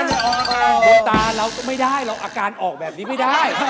บนตาเราก็ไม่ได้เราอาการออกแบบนี้ไม่ได้